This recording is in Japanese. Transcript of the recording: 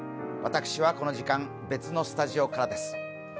私は、この時間、別のスタジオからです。